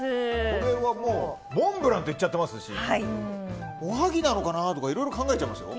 これはモンブランと言っちゃっていますしおはぎなのかなとかいろいろ考えちゃいますよ。